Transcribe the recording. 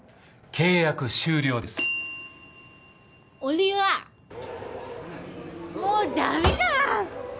契約終了ですおりはもうダミだ！